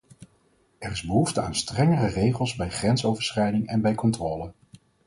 Er is behoefte aan strengere regels bij grensoverschrijding en bij controle.